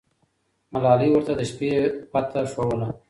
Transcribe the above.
ملالۍ ورته د شپې پته ښووله.